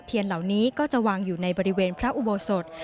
เหล่านี้ก็จะวางอยู่ในบริเวณพระอุโบสถ